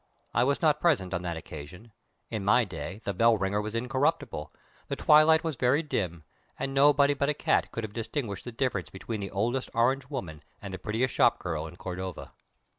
I was not present on that occasion. In my day, the bell ringer was incorruptible, the twilight was very dim, and nobody but a cat could have distinguished the difference between the oldest orange woman, and the prettiest shop girl, in Cordova.